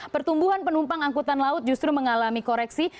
pertumbuhan penumpang angkutan laut justru mengalami koreksi